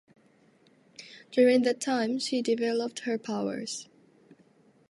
During that time, she developed her powers.